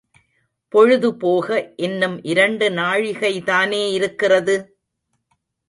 பொழுது போக இன்னும் இரண்டு நாழிகைதானே இருக்கிறது?